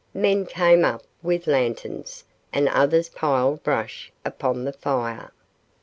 Men came up with lanterns and others piled brush upon the fire.